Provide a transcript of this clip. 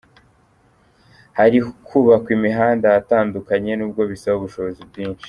Hari kubakwa imihanda ahatandukanye n’ubwo bisaba ubushobozi bwinshi.